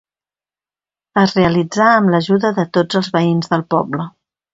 Es realitzà amb l'ajuda de tots els veïns del poble.